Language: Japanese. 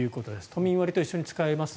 都民割と一緒に使えます。